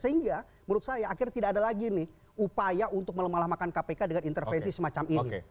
sehingga menurut saya akhirnya tidak ada lagi nih upaya untuk melemah lemahkan kpk dengan intervensi semacam ini